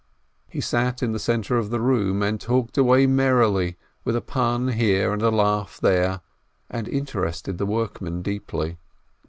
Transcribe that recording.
He sat in the centre of the room, and talked away merrily, with a pun here and a laugh there, and inter ested the workmen deeply.